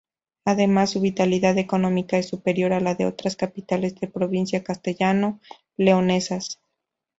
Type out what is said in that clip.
Además, su vitalidad económica es superior a la de otras capitales de provincia castellano-leonesas.